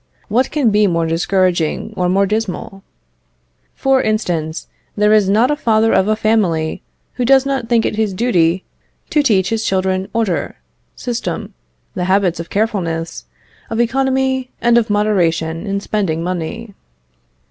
What can be more discouraging or more dismal? For instance, there is not a father of a family who does not think it his duty to teach his children order, system, the habits of carefulness, of economy, and of moderation in spending money.